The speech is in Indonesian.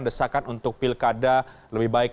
desakan untuk pilkada lebih baik